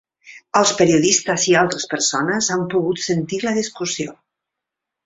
Els periodistes i altres persones han pogut sentir la discussió.